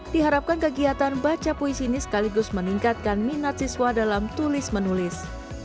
diharapkan kegiatan baca puisi ini sekaligus meningkatkan minat siswa dalam tulis menulis